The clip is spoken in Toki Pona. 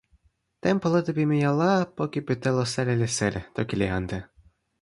tenpo lete pimeja la, poki pi telo seli li seli, toki li ante